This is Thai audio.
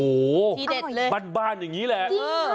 โอ้โหบ้านอย่างนี้แหละ